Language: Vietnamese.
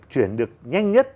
chuyển được nhanh nhất